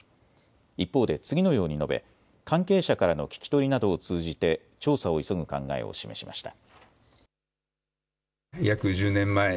一方で次のように述べ関係者からの聞き取りなどを通じて調査を急ぐ考えを示しました。